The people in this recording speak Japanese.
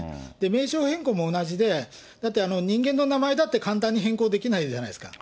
名称変更も同じで、だって、人間の名前だって簡単に変更できないじゃないですか。